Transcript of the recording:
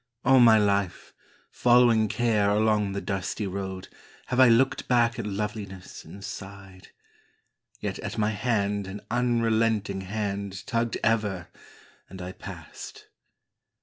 All my life, Following Care along the dusty road, Have I looked back at loveliness and sighed; Yet at my hand an unrelenting hand Tugged ever, and I passed.